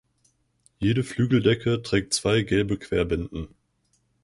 Jede Flügeldecke trägt zwei gelbe Querbinden.